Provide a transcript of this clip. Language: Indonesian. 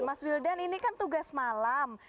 mas wildan ini kan tugas malam